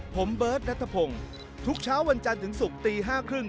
ผมเบิร์ตณทะพงทุกเช้าวันจันทร์ถึงศุกร์ตีห้าครึ่ง